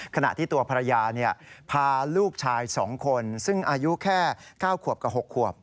ขณะที่ตัวภรรยาพาลูกชาย๒คนซึ่งอายุแค่๙ขวบกับ๖ขวบ